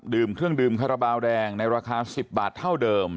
เครื่องดื่มคาราบาลแดงในราคา๑๐บาทเท่าเดิม